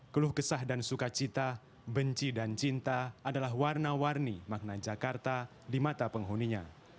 keluh kesah dan sukacita benci dan cinta adalah warna warni makna jakarta di mata penghuninya